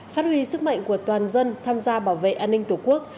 phát huy sức mạnh của toàn dân tham gia bảo vệ an ninh tổ quốc